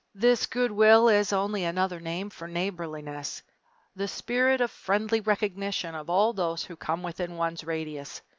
This good will is only another name for neighborliness the spirit of friendly recognition of all those who come within one's radius.